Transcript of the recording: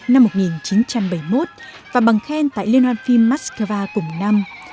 dân chủ đức năm một nghìn chín trăm bảy mươi một và bằng khen tại liên hoàn phim moscow cùng năm